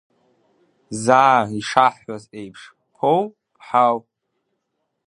Заа ишаҳҳәаз еиԥш, Ԥоу, ԥҳау?